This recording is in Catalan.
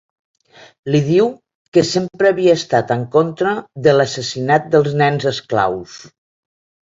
Li diu que sempre havia estat en contra de l'assassinat dels nens esclaus.